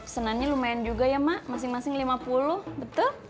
seninannya lumayan juga ya mak masing masing lima puluh betul